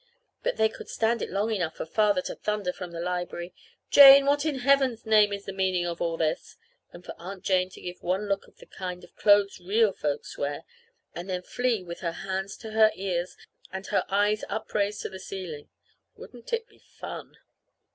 But they could stand it long enough for Father to thunder from the library, "Jane, what in Heaven's name is the meaning of all this?" And for Aunt Jane to give one look at the kind of clothes real folks wear, and then flee with her hands to her ears and her eyes upraised to the ceiling. Wouldn't it be fun?